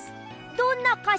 どんなかし？